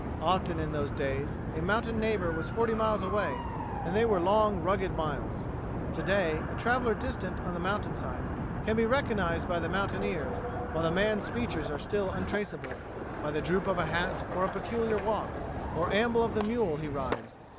Often in those days a mountain neighbor was forty miles away, and they were long rugged miles. To day a traveler distant on the mountainside can be recognized by the mountaineers while the man's features are still untraceable, by the droop of a hat or a peculiar walk, or amble of the mule he rides.